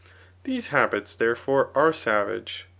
j These habits, there fore, are savage.